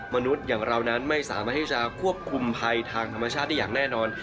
มนุษย์อย่างเรานั้นไม่สามารถที่จะควบคุมภัยทางธรรมชาติได้อย่างแน่นอน